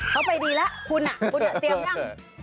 เขาไปดีแล้วคุณคุณเตรียมยัง